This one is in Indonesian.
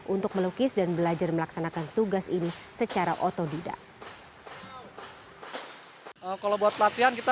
untuk melukis dan belajar melaksanakan tugas ini secara otodidak